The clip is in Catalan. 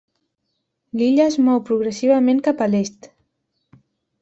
L'illa es mou progressivament cap a l'est.